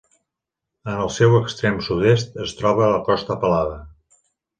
En el seu extrem sud-oest es troba la Costa Pelada.